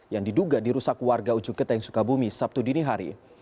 yang diduga dirusak warga ujung geteng sukabumi sabtu dini hari